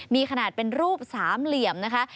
มีขนาดเป็นรูปสามเหลี่ยมนะคะ